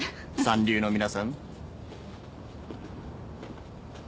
三流の皆さん。